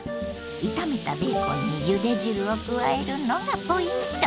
炒めたベーコンにゆで汁を加えるのがポイント。